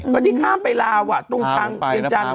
นี่ที่ข้ามไปล้าวะตรงทางเกนจัง